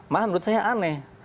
malah menurut saya aneh